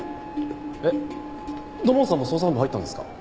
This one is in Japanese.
えっ土門さんも捜査本部入ったんですか？